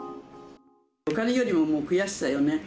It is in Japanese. お金よりももう悔しさよね。